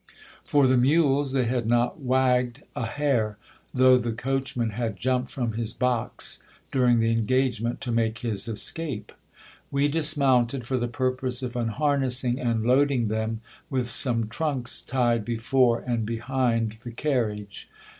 For the mules, they had not wagged a hair, though the coachman had jumped from his box during the engagement to make his escape. We dismounted for the purpose of unharnessing and loading them with some trunks tied before and behind the carriage.